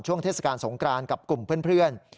เทศกาลสงกรานกับกลุ่มเพื่อน